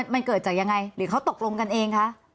มันเกิดจากยังไงหรือเขาตกลงกันเองคะ